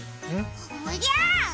おりゃ！